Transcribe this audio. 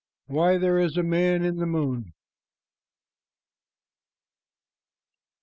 WHY THERE IS A MAN IN THE MOON.